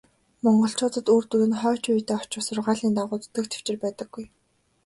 Монголчуудад үр дүн нь хойч үедээ очих сургаалын дагуу зүтгэх тэвчээр байдаггүй.